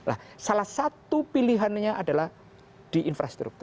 nah salah satu pilihannya adalah di infrastruktur